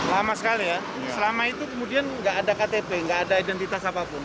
lama sekali ya selama itu kemudian nggak ada ktp nggak ada identitas apapun